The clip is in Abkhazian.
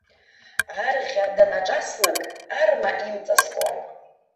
Арӷьа данаҿаслак, арма имҵаскуан!